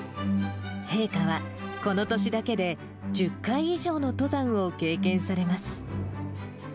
陛下は、この年だけで１０回以上の登山を経験されます。